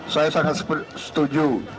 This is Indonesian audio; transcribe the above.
saya sangat setuju